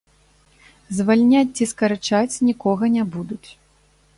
Звальняць ці скарачаць нікога не будуць.